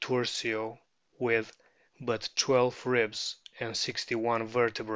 tursio with but twelve ribs and sixty one vertebrae.